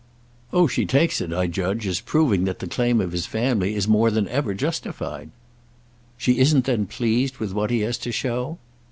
"Oh she takes it, I judge, as proving that the claim of his family is more than ever justified." "She isn't then pleased with what he has to show?"